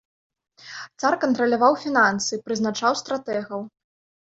Цар кантраляваў фінансы, прызначаў стратэгаў.